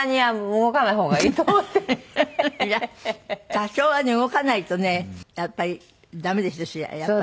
多少はね動かないとねやっぱりダメですよそれは。